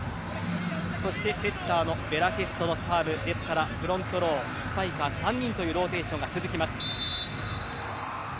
そしてセッターのベラスケトのサーブですからフロントロースパイカー３人というローテーションが続きます。